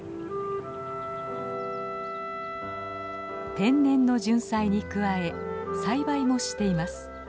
天然のジュンサイに加え栽培もしています。